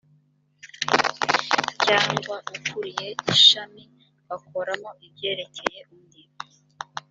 cyangwa ukuriye ishami bakoramo ibyerekeye undi